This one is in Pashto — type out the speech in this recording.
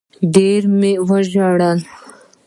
ډېر مي وژړل